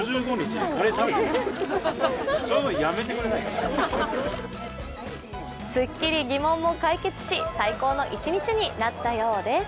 すっきり疑問も解決し最高の１日になったようです。